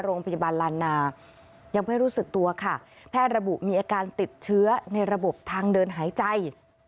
โรงพยาบาลลานนายังไม่รู้สึกตัวค่ะแพทย์ระบุมีอาการติดเชื้อในระบบทางเดินหายใจ